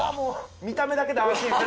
見た目だけで安心する。